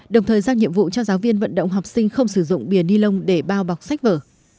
đồng thời giao nhiệm vụ cho giáo viên vận động học sinh không sử dụng bìa ni lông để bao bọc sách vở